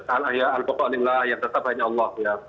al ayah al baqa'anillah yang tetap hanya allah